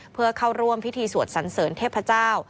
เพื่อเข้าร่วมพิธีสวดสันเสริญเทพเจ้า